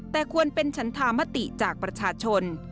แต่ควรเป็นฉันธามติจากประชาชน